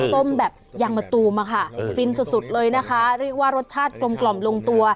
ต้มแบบยางมะตูมอะค่ะฟินสุดสุดเลยนะคะเรียกว่ารสชาติกลมกล่อมลงตัว